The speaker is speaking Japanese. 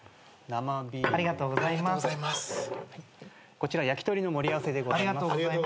こちら焼き鳥の盛り合わせでございます。